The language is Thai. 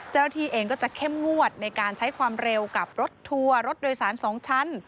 เจ้าหน้าที่เองก็จะเข้มงวดในการใช้ความเร็วกับรถทัวร์รถโดยสาร๒ชั้น